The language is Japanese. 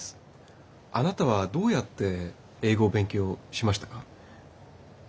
あなたはどうやって英語を勉強しましたか？